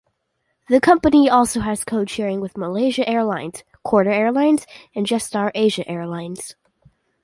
The company also has code-sharing with Malaysia Airlines, Qatar Airways and Jetstar Asia Airways.